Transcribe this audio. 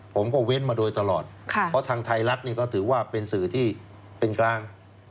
ผมก็เว้นมาโดยตลอดเพราะทางไทยรัฐนี่ก็ถือว่าเป็นสื่อที่เป็นกลาง